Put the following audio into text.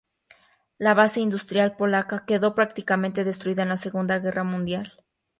La base industrial polaca quedó prácticamente destruida en la Segunda Guerra Mundial.